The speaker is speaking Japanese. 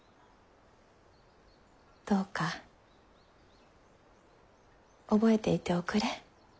どうか覚えていておくれ。